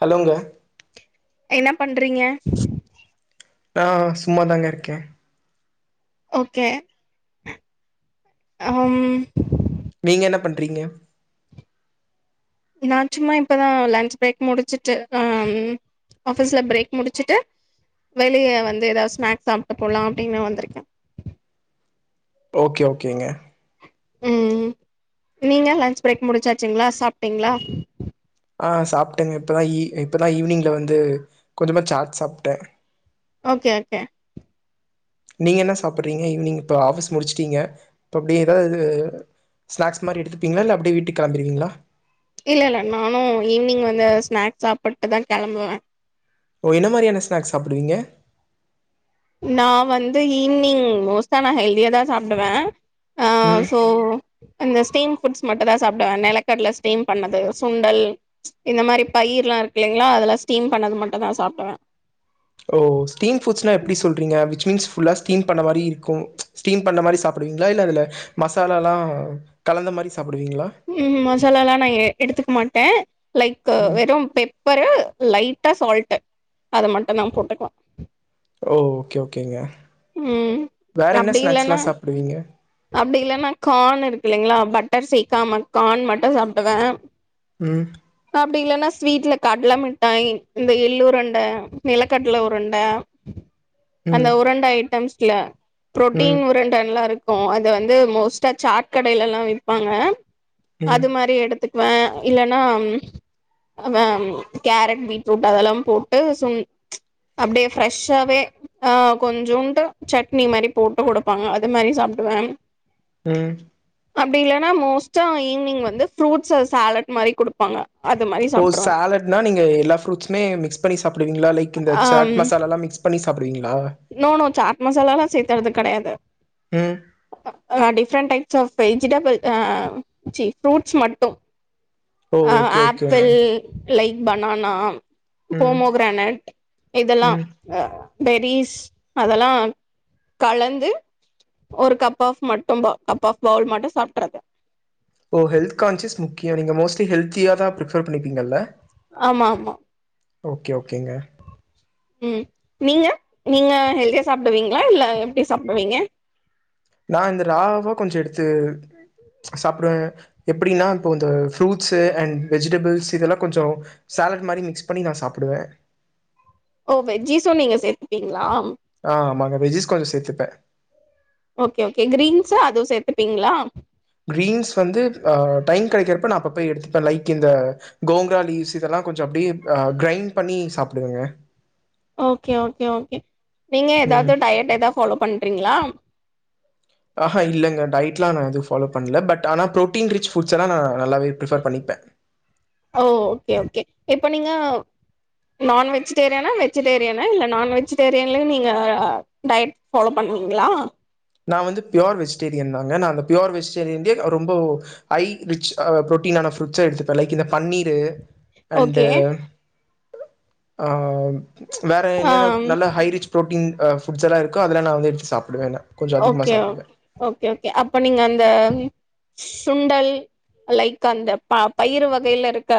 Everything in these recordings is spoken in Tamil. ஹலோங்க என்ன பண்றீங்க ஆ சும்மாதாங்க இருக்கே ஓகே அம் நீங்க என்ன பண்றீங்க நா சும்மா இப்பதா லன்ஞ்ச் பிரேக் முடிச்சிட்டு ஆ ஆஃபீஸ்ல பிரேக் முடிச்சிட்டு வெளிய வந்து ஏதாது ஸ்நாக்ஸ் சாப்ட்டு போலா அப்டின்னு வந்துருக்கே ஓகே ஓகேங்க ம் நீங்க லன்ஞ்ச் பிரேக் முடிச்சாச்சுங்களா சாப்ட்டீங்களா ஆ சாப்ட்டேங்க இப்பதா ஈ இப்பதா ஈவினிங்ல வந்து கொஞ்சமா சாட் சாப்ட்டே ஓகே ஓகே நீங்க என்ன சாப்டுறீங்க ஈவினிங் இப்ப ஆபீஸ் முடிச்சிட்டீங்க இப்ப அப்டி ஏதாது இது ஸ்நாக்ஸ் மாரி எடுத்துப்பீங்களா இல்ல அப்டியே வீட்டுக்கு கெளம்பிருவீங்களா இல்ல இல்ல நானு ஈவினிங் வந்து ஸ்நாக்ஸ் சாப்பிட்டு தா கெளம்புவே ஓ என்ன மாரியான ஸ்நாக்ஸ் சாப்டுவீங்க நா வந்து ஈவினிங் மோஸ்டா நா ஹெல்தியா தா சாப்டுவே ஆ ம் சோ அந்த ஸ்டீம் ஃபுட்ஸ் மட்டு தா சாப்டுவே நெலக்கடல ஸ்டீம் பண்ணது சுண்டல் இந்த மாரி பயிர்ல்லா இருக்கு இல்லைங்களா அதெல்லா ஸ்டீம் பண்ணது மட்டு தா சாப்டுவே ஓ ஸ்டீம் ஃபுட்ஸ்னா எப்டி சொல்றீங்க விச் மீன்ஸ் ஃபுல்லா ஸ்டீம் பண்ண மாரி இருக்கு ஸ்டீம் பண்ண மாரி சாப்டுவீங்களா இல்ல அதுல மசாலல்லா கலந்த மாரி சாப் ம் மசாலாலா நா எ எடுத்துக்க மாட்டே லைக்கு வெறும் பெப்பரு லைட்டா சால்ட்டு அத மட்டு தா போட்டுக்லா ஓ ஓகே ஓகேங்க ம் வேற என்ன அப்டி இல்லனா ஸ்நாக்ஸ்லா சாப்புடுவீங்க அப்டி இல்லனா கார்ன் இருக்கு இல்லைங்ளா பட்டர் சேக்காம கார்ன் மட்டு சாப்டுவே ம் அப்டி இல்லனா ஸ் ஸ்வீட்ல கட்ல மிட்டாய் இந்த எள்ளுருண்ட நெலக்கட்ல உருண்ட அந்த ம் உருண்ட ஐட்டம்ஸ்ல ம் ப்ரோட்டீன் உருண்டல்லா இருக் கு அது வந்து மோஸ்டா சாட் கடைலலா விப்பாங்க ம் அது மாரி எடுத்துக் வே இல்லனா ம் ஆ மேம் கேரட் பீட்ரூட் அதெல்லாம் போட்டு சொங் அப்டியே ஃப்ரெஷ்ஷாவே ஆ கொஞ்சோன்டு சட்னி மாரி போட்டுக் குடுப்பாங்க அது மாரி சாப் ட்டுவே ம் அப்டி இல்லனா மோஸ்ட்டா ஈவ்னிங் வந்து ஃப்ரூட்ஸு சாலட் மாரி குடுப்பாங்க அது மாரி ஓ சாப்ட்ருவே சாலட்னா நீங்க எல்லா ஃப்ரூட்ஸ்மே மிக்ஸ் பண்ணி சா சாப்டுவீங்களா லைக் இந்த சாட் ஆம் மசாலாலா மிக்ஸ் பண்ணி சாப்டுவீங்க நோ நோ சாட் மசாலாலா சேத்தறது கெடையாது ம் ஆ டிஃப்ரெண்ட் டைப்ஸ் ஆஃப் வெஜிடபிள் ஆ சீ ஃப்ரூட்ஸ் மட்டு ஓ ஆ ஓகே ஓகேங்க ஆப்பிள் லைக் பனானா ம் போமோகிரானட் இதெல்லா ம் அ பெரிஸ் அதெல்லா கலந்து ஒரு கப் ஆஃப் மட்டுபா கப் ஆஃப் பவுல் மட்டு சாப்ட்றது ஓ ஹெல்த் கான்சியஸ் முக்கிய நீங்க மோஸ்ட்லி ஹெல்தியா தா பிரிஃபர் பண்ணிப்பீங்கல்ல ஆமாம்மா ஓகே ஓகேங்க ம் நீங்க நீங்க ஹெல்தியா சாப்டுவீங்ளா இல்ல எப்டி சாப்டுவீங்க நா இந்த ராவா கொஞ்ச எடுத்து சாப்பிடுவேன் எப்படின்னா இப்போ சாப்டுவே எப்டினா இப்போ இந்த ஃப்ரூட்ஸு அன் வெஜிடபிள்ஸ் இதெல்லா கொஞ்ச சா சாலட் மாரி மிக்ஸ் பண்ணி நா சாப்டுவே ஓ வெஜ்ஜிஸு நீங்க சேத்துப்பீங்ளா ஆ ஆமாங்க வெஜிஸ் கொஞ்ச சேத்துப்பே ஓகே ஓகே கிரீன்ஸு அது சேத்துப்பீங்ளா கிரீன்ஸ் வந்து அ டைம் கெடைக்கிறப்ப நா அப்ப போய் எடுத்துப்பே லைக் இந்த கோங்ராலீவ்ஸ் இதெல்லா கொஞ்ச அப்டியே அ கிரைண்ட் பண்ணி சாப்டுவேங்க ஓகே ஓகே ஓகே நீங்க ம். எதாவ்து டயட் எதா ஃபாலோ பண்றீங்ளா ஆஹா இல்லங்க டய்ட்லா நா எது ஃபாலோ பண்ல பட் ஆனா ப்ரோட்டீன் ரிச் ஃபுட்ஸ்ஸெல்லா நா நல்லாவே பிரிஃபர் பண்ணிப்பே ஓ ஓகே ஓகே இப்ப நீங்க நான் வெஜ்டேரியனா வெஜிடேரியனா இல்ல நான் வெஜ்டேரியன்லயு நீங்க டயட் ஃபாலோ பண் றீங்ளா நா வந்து பியோர் வெஜிடேரியன் தாங்க நா அந்த பியோர் வெஜிடேரியன்லே ஆ ரொம்போ ஹை ரிச் அ புரோட்டீனா நா ஃப்ரூட்ஸ்ஸா எடுத்துப்பே லைக் இந்த பன்னீரு அண்டு ஓகே ஆம் வேற ஆ என்னென்ன நல்ல ஹை ரிச் ப்ரோட்டீன் அ ஃபுட்ஸெல்லா இருக்கோ அதெல்லா நா வந்து எடுத்து சாப்டுவே நா ஓகே ஓ ஓகே ஓகே அப்ப நீங்க அந்த சுண்டல் லைக் அந்த ப பயிறு வகைல இருக்க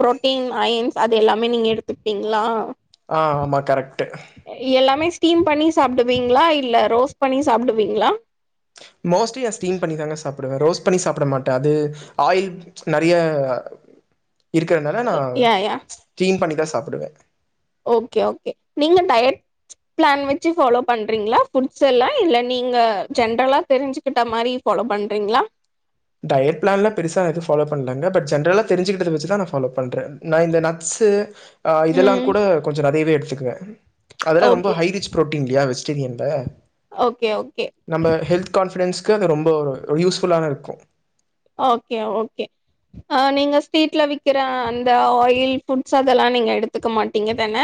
புரோட்டீன் அயன்ஸ் அது எல்லாமே நீங்க எடுத்துப் பீங்ளா ஆ ஆமா கரெக்ட் எல்லாமே ஸ்டீம் பண்ணி சாப்டுவீங்ளா இல்ல ரோஸ்ட் பண்ணி சாப்டுவீங்ளா மோஸ்ட்லி நா ஸ்டீம் பண்ணி தாங்க சாப்பிடுவே ரோஸ்ட் பண்ணி சாப்பிட மாட்டே அது ஆயில் நெறைய இருக்கறனால நா யா யா ஸ்டீம் பண்ணிதா சாப்பிடுவே ஓகே ஓகே நீங்க டயட் பிளான் வச்சு ஃபாலோ பண்றீங்களா புட்ஸ் எல்லா இல்ல நீங்க ஜென்ரலா தெரிஞ்சுக்கிட்ட மாரி ஃபாலோ பண்றீங்ளா டயட் பிளான்ல பெருசா எது ஃபாலோ பண்ணலங்க பட் ஜென்ரலா தெரிஞ்சிக்கிட்டத வச்சு தா நா ஃபாலோ பண்றே நா இந்த நட்ஸு ஆ இதெல்லா ம் கூட கொஞ்ச நெறையவே எடுத்துக்குவே அதெல்லா ரொம்ப ஓகே ஹை ரிச் புரோட்டீன் இல்லியா வெஜிடேரியன்ல ஓகே ஓகே நம்ம ஹெல்த் கான்ஃபிடன்ஸ்க்கு அது ரொம்ப யூஸ்ஃபுல்லா தா இருக்கு ஓகே ஓகே ஆ நீங்க ஸ்ட்ரீட்ல விக்கிற அந்த ஆயில் ஃபுட்ஸ் அதெல்லா நீங்க எடுத்துக்க மாட்டீங்க தான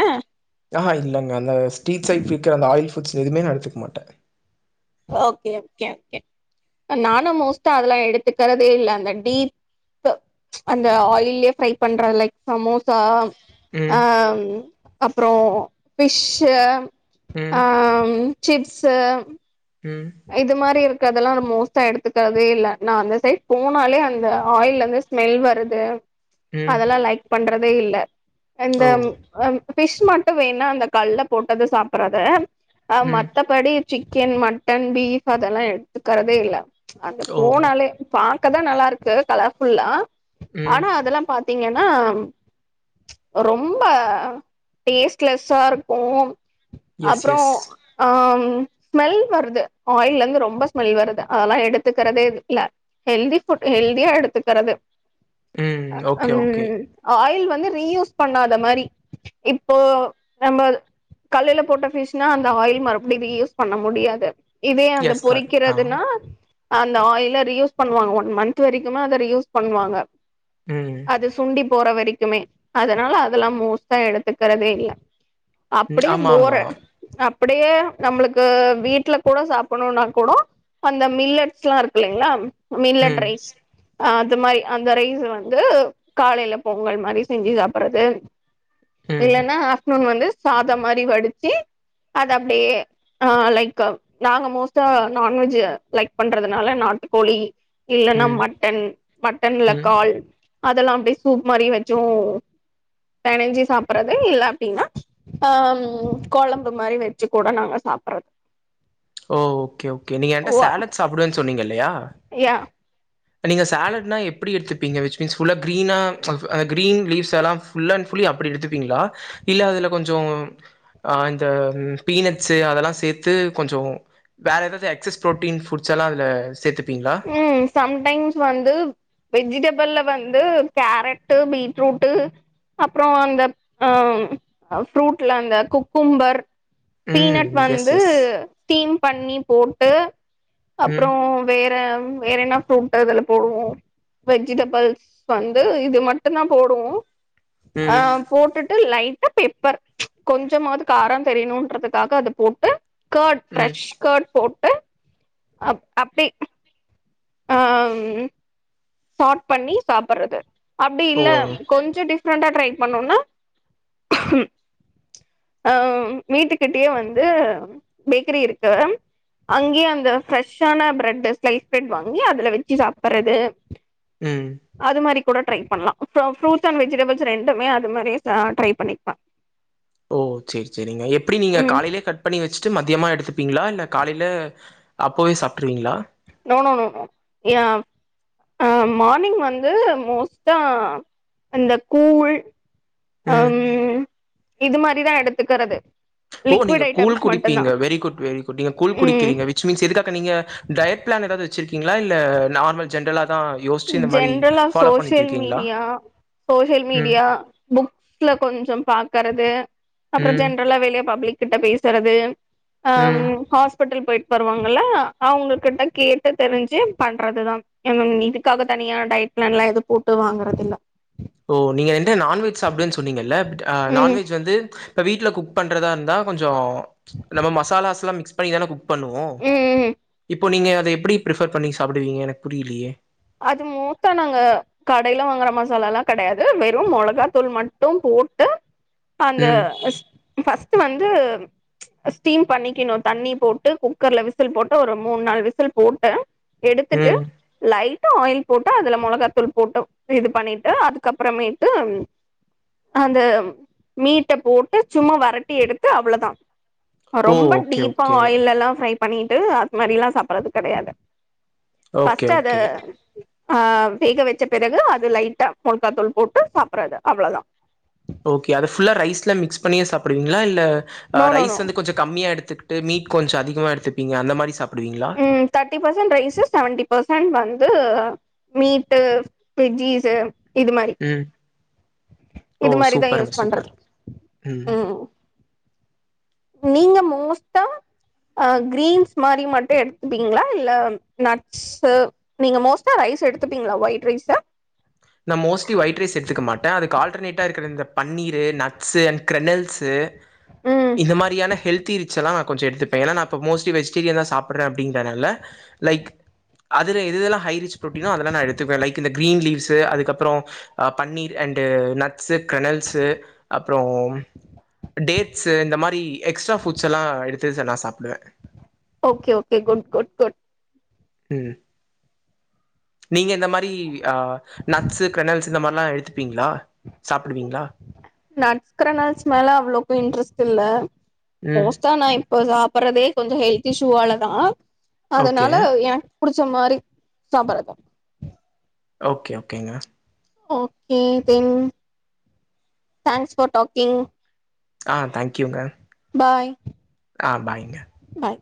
ஆ ஆ இல்லேங்க அந்த ஸ்ட்ரீட் சைட் விக்கிற அந்த ஆயில் ஃபுட்ஸ் எதுமே நா எடுத்துக்மாட்டே ஓகே ஓகே ஓகே நானு மோஸ்ட்டா அதெல்லா எடுத்துக்கறதே இல்ல அந்த டீ த அந்த ஆயிலயே ஃப்ரை பண்ற லைக் சமோசா ஆ ம் அப்புறோ பிஷ்ஷு ம் சிப்ஸு ம் இது மாரி அதெல்லா மோஸ்ட்டா எடுத்துக்கறதே இல்ல நா அந்த சைட் போனாலே அந்த ஆயில்ல இருந்து ஸ்மெல் வருது ம் அதெல்லா லைக் பண்றதே இல்ல இந்த ஓ அம் ஃபிஷ் மட்டு வேணா அந்த கல்ல போட்டது சாப்பட்றது அ ம் மத்தபடி சிக்கன் மட் டன் பீஃப் அதெல்லா எடுத்துக்கறதே இல்ல அங்க ஓ போனாலே பா க்க தா நல்லாருக்கு கலர்ஃபுல்லா ம் ஆனா அதெல்லா பாத்தீங்கன்னா ரொம்ப டேஸ்ட்லெஸ்ஸா இருக்கு எஸ் அப்புறோ எஸ் அம் ஸ்மெல் வருது ஆயில்ல இருந்து ரொம்ப ஸ்மெல் வருது அதெல்லா எடுத்துக்கிறதே இல்ல ஹெல்தி ஃபுட் ஹெல்தியா எடு த்துக்கறது ம் ஓகே அம் ஓகே ஆயில் வந் து ரீயூஸ் பண்ணாத மாரி இப்போ நம்மள் கல்லுல போட்ட ஃபிஷ்னா அந்த ஆயில் மறுபடியு ரீயூஸ் பண்ண முடியா து இதே அந்த எஸ் கரெக்ட் ஆ பொறிக்கிறதுன்னா அந்த ஆயில ரியூஸ் பண்ணுவாங்க ஒன் மந்த் வரைக்குமே அத ரியூஸ் பண்ணுவாங்க ம் அது சுண்டி போற வரைக்குமே அதனால அதெல்லா மோஸ்ட்டா எடுத்துக்கறதே இல்ல ம் அப்டியே ஆமா ஆமா போறே அப்டியே நம்மளுக்கு வீட் ல கூட சாப்புட்ணுனா கூட அந்த மில்லட்ஸ்ல்லா இருக்கில்லைங்ளா மில்லட் ம் ரைஸ் அது மாரி அந்த ரைஸ் வந்து காலைல பொங்கல் மாரி செஞ்சு சாப்பட்றது ம் இல்லைனா ஆஃப்ட்னூன் வந்து சாத மாரி வடிச்சு அத அப்டியே ஆ லைக் அ நாங்க மோஸ்ட்டா நான்வெஜ் லைக் பண்றதுனால நாட்டுக்கோழி இல்லைன்னா ம் மட்டன் மட்டன்ல ம் கால் அதெல்லா அப்டி சூப் மாரி வச்சு பெனஞ்சி சாப்பட்றது இல்ல அப்டின்னா அம் கொழம்பு மாரி வச்சு கூட நாங்க சாப்பட்ற ஓ ஓகே ஓகே நீங்க என்ட்ட வ சேலட் சாப்பிடுவேன் சொன்னீங்கில்லையா யா நீங்க சேலட்னா எப்டி எடுத்துப்பீங்க விச்சு மீீன்ஸ் ஃபுல்லா கீரீனா [unintelligible] அ கீரீன் லீவ்ஸ் எலா ஃபுல்லன் ஃபுல்லி அப்டி எடுத்துப்பீங்களா இல்ல அதுல கொஞ்சோ ஆ இந்த பீனட்ஸு அதெல்லா சேத்து கொஞ்சோ வேற ஏதாது எக்சஸ் புரோட்டீன் ஃபுட்ஸ் எலா அதுல சேத்துப் ம் சம் டைம்ஸ் வந்து வெஜிடபிள்ல வந்து கேரட்டு பீட்ரூட்டு் அப்றோ அந்த அ ஃப்ரூட்ல அந்த குக்கும்பர் ம் பீனட் எஸ் வந்து எஸ் ஸ்டீம் பண்ணி போட்டு அப்றோ ம் வேற வேற என்ன ஃப்ரூட் அதுல போவு வெஜிடபிள்ஸ் வந்து இது மட்டுந்தா போடுவோ ஆ ம் போட்டுட்டு லை ட்டா பெப்பர் கொஞ்சமாது காரோ தெரியணுன்றதுக்காக அது போட்டு கெர்டு ம் ஃப்ரெஷ் கெர்டு போட்டு அப் அப்டி ஆ சார்ட் பண்ணி சாப்பிடறது அப்டி ஓ இல்ல கொஞ்சோ டிஃப்ரெண்டா ட்ரை பண்ணுனா அ வீட்டுகிட்டயே வந்து பேக்கரி இருக்கு அங்கேயே அந்த ஃரெஷ்ஷான பிரெட் ஸ்லைஸ் பிரெட் வாங்கி அதுல வெச்சு சாப்பிடறது ம் அது மாரி கூட ட்ரை பண்லா ஃப்ரூட்ஸ் அண்ட் வெஜிடபிள்ஸ் ரெண்டுமே அது மாரியே ட்ரை பண்ணிக்கலா ஓ செரி செரிங்க எப்டி நீங்க காலைலயே கட் பண்ணி வெச்சு ட்டு மத்தியமா எடுத்துப்பீங்ளா இல்ல காலைல அப்பவே சாப்ட்ருவீங்ளா நோனோனோ இயா ஆ மார்னிங் வந்து மோஸ்டா அந்த கூழ் ம் அம் இது மாதிரிதா எடுத்துக்கிறது ஓ நீங்க கூல் குடிப்பீங்க வெரி குட் வெரி குட் நீங்க கூல் ம் குடிக்கறீங்க விச் மீன்ஸ் எதுக்காக நீங்க டயட் பிளான் எதாவது வெச்சிருக்கீங்ளா இல்ல நார்மல் ஜென்ரலா தா யோசிச்சு இந்த மாரி ஜென்ரலா ஃபாலோ பண்ணிட்டு சோசியல் இருக்கீங்களா மீடியா சோசியல் ம் மீடியா புக்ஸ்ல கொஞ்சம் பா க்கறது அப்றோ ம் ஜென்ரலா வெளிய பப்ளிக் கிட்ட பேசுறது அம் ம் ஹா ப்பிட்டல் போயிட் வருவாங்கல்ல அவுங்க கிட்ட கேட்டு தெரிஞ்சு பண்றதுதா இங்அங் மீதி அதுக்காக தனியா டையட் பிளான் எல்லா எதூ போட்டு வாங்கறது இல்ல ஓ நீங்க என்ட்ட நான்வெஜ் சாப்டுவேன் சொன்னீங்கல்ல பட் ம் நான்வெஜ் வந்து இப்போ வீட்ல் குக் பண்றதா இருந்தா கொஞ்சோ நம்ம மசாலாஸ் எல்லா மிக்ஸ் பண்ணிதான குக் பண்ணுவோ ம் இப்போ நீங்க அத எப்டி பிரிஃபர் பண்ணி சாப்பிடுவீங்க எனக்கு புரியலயே அது மூத்தா நாங்க கடைல வாங்கற மசாலா எல்லா கெடையாது வெறு மொளகாத்தூள் மட்டு போட்டு அந்த ம் ஃபர்ஸ்ட் வந்து ஸ்டீம் பண்ணிக்கணு தண்ணி போட்டு குக்கர்ல விசில் போட்டு ஒரு மூண் நாள் விசில் போட்டு எடுத்துட்டு ம் லை டு ஆயில் போட்டு அதுல மொளகாத்தூள் போட்டு இது பண்ணிட்டு அதுக்கப்புறமேட்டு அந்த மீட்ட போட்டு சும்மா வரட்டி எடுத்து அவ்ளதா ஓ ரொம்ப ஓகே டீப்பா ஓகே ஆயில் எல்லா ஃப்ரை பண்ணிட்டு அது மாரி எல்லா சாப்பிடறது கெடையாது ஓகே ஃபஸ்ட்டு ஓகே அத ஆ வேக வெச்ச பிறகு அது லைட்டா மோல்காத்தூள் போட்டு சாப்பிடறது அவ்ளதா ஓகே அத ஃபுல்லா ரைஸ்ல மிக்ஸ் பண்ணியே சாப்பிடுவீங்ளா இல்ல ஆ நோ நோ ரைஸ் நோ வந்து கொஞ்சோ கம்மியா எடுத்துக்கிட்டு மீட் கொஞ்சோ அதிகமா எடுத்துப்பீங்க அந்த மாரி சாப் ம் thirty percent rice seventy percent வந் து மீட்டு வெஜ்ஜிஸ்சு இது மாரி ம் ஓ இது மாரிதா சூப்பருங்க யூஸ் பண்றது சூப்பர் ம் நீங்க மோஸ்டா ஆ கிரீன்ஸ் மாரி மட்டு எடுத்துப்பீங்ளா இல்ல நட்ஸ்சு நீங்க மோஸ்டா ரை ஸ் எடுத்துப்பீங்ளா ஒயிட் ரைஸ்ச நா மோஸ்ட்லி ஒயிட் ரைஸ் எடுத்துக்க மாட்ட அதுக்கு ஆல்டர்நேட்டா இருக்கிற இந்த பன்னீர்று நட்ஸ்சு அண்ட் கெரெனல்ஸ்சு ம் இந்த மாரியான ஹெல்த்தி ரிச் எல்லா நா கொஞ்சோ எடுத்துப்பே ஏனா நா இப்போ மோஸ்ட்லி வெஜிடேரியன்தா சாப்பிடற அப்டிங்கறதுனால லைக் அதுல எதெது எல்லா ஹை ரிச் புரோட்டீனோ அதெல்லா நா எடுத்துப்பே லைக் இந்த கிரீன் லீவ்ஸ் து அதுக்கப்றோ பன்னீர் அண்டு நட்ஸ்சு கெரனல்ஸ்சு அப்றோ டேட்ஸ்சு இந்த மாரி எக்ஸ்ட்ரா ஃபுட்ஸ் எல்லா எடுத்து நா சாப்டுவ okay okay good good good ம் நீங்க இந்த மரி ஆ நக்ஸு க்ரனல்ஸ் இந்த மா நட்ஸ் க்ரனல்ஸ் மேல அவ்ளோக்கு இன்ட்ரஸ்ட் இல்ல ம் கோஸ்டா நா இப்ப சாப்புற்றதே கொஞ்ச ஹெல்த் இஷுவாலதா ஓகே அதனால எனக்கு புடிச்ச மாரி சாப்பறப்ப ஓகே ஓகேங்க okay then thanks for talking ஆ தேங்க்யூங்க பாய் கா பாய்ங்க பாய்